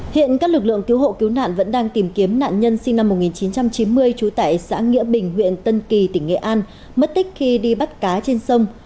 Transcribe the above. hiện các lực lượng cứu hộ cứu nạn vẫn đang tìm kiếm nạn nhân sinh năm một nghìn chín trăm chín mươi trú tại xã nghĩa bình huyện tân kỳ tỉnh nghệ an mất tích khi đi bắt cá trên sông